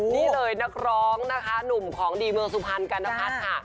นี่เลยนักร้องนะคะหนุ่มของดีเมืองสุพรรณกัณพัฒน์ค่ะ